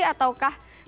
ataukah semakin tinggi